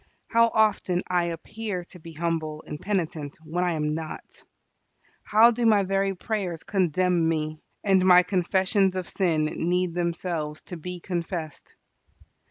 How often I appear to be humble and penitent when I am not! How do my very prayers condemn me; and my confessions of sin need themselves to be confessed!